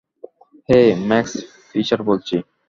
হেই, Max Fisher বলছি।